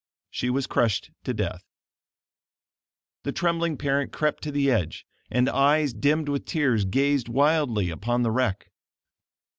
She was crushed to death. The trembling parent crept to the edge, and eyes dimmed with tears, gazed wildly upon the wreck.